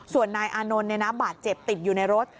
ส่วนนายอานนท์บาดเจ็บติดอยู่ในรถ